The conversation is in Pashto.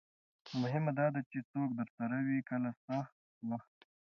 مهمه دا ده چې څوک درسره وي کله سخت وخت وي.